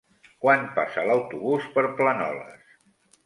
Quan passa l'autobús per Planoles?